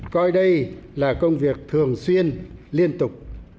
coi đây là công việc thường xuyên liên tục